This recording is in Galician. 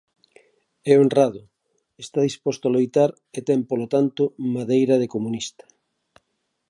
É honrado, está disposto a loitar e ten polo tanto madeira de comunista.